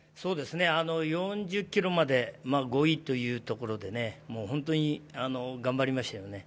４０ｋｍまで５位というところで、本当に頑張りましたよね。